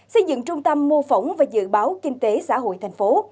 xây dựng trung tâm mô phỏng và dự báo kinh tế xã hội thành phố